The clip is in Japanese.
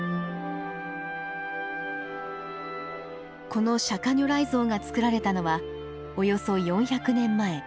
この釈如来像が作られたのはおよそ４００年前。